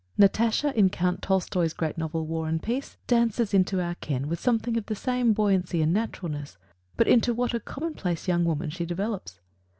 Natasha in Count Tolstoi's great novel, "War and Peace," dances into our ken, with something of the same buoyancy and naturalness; but into what a commonplace young woman she develops!